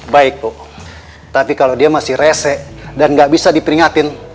baik bu tapi kalau dia masih rese dan nggak bisa diperingatin